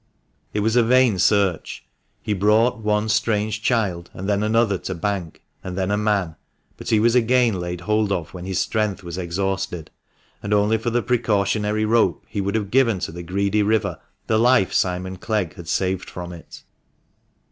It was a vain search; he brought one strange child, and then another to bank, and then a man ; but he was again laid hold of when his strength was exhausted ; and only for the precautionary rope, he would have given to the greedy river the life Simon Clegg had saved from it.